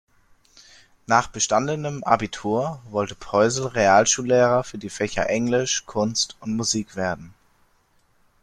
Nach bestandenem Abitur wollte Poisel Realschullehrer für die Fächer Englisch, Kunst und Musik werden.